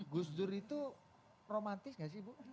gus dur itu romantis gak sih bu